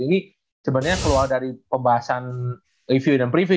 ini sebenernya keluar dari pembahasan review dan preview